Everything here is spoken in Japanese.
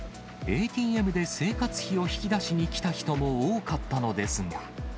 ＡＴＭで生活費を引き出しに来た人も多かったのですが。